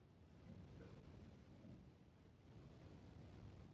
Bydlel v Čáslavi.